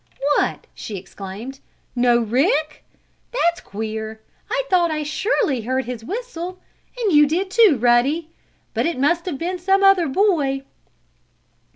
"What!" she exclaimed. "No Rick? That's queer! I thought I surely heard his whistle, and you did, too, Ruddy. But it must have been some other boy."